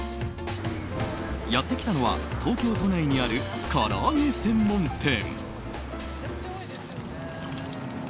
やってきたのは東京都内にあるから揚げ専門店。